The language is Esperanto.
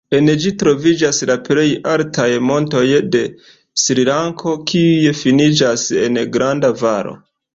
En ĝi troviĝas la plej altaj montoj de Srilanko kiuj finiĝas en granda valo.